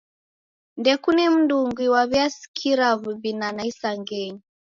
Ndekune mndungi waw'iasikira w'ubinana isangenyi.